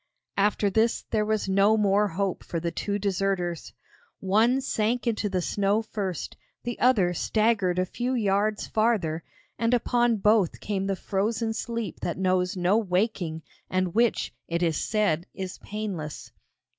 After this there was no more hope for the two deserters. One sank into the snow first, the other staggered a few yards farther, and upon both came the frozen sleep that knows no waking and which, it is said, is painless.